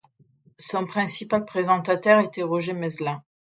Son principal présentateur était Roger Meslin.